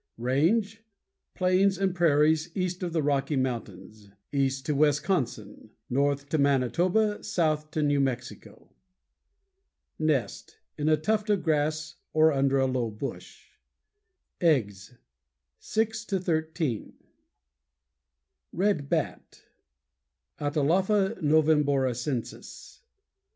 RANGE Plains and prairies east of the Rocky Mountains; east to Wisconsin, north to Manitoba, south to New Mexico. NEST In a tuft of grass or under a low bush. EGGS Six to thirteen. Page 170. =RED BAT= _Atalapha noveboracensis.